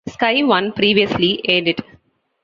Sky One previously aired it.